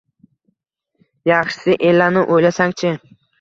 Yaxshisi, Ellani o`ylasang-chi